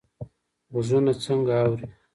غوږونه څنګه اوري؟